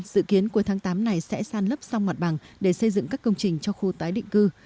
dự kiến cuối tháng tám này sẽ san lấp xong mặt bằng để xây dựng các công trình cho khu tái định cư